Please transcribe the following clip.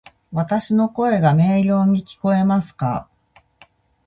わたし（の声）が明瞭に聞こえますか？